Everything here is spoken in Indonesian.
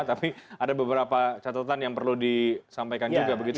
tapi ada beberapa catatan yang perlu disampaikan juga begitu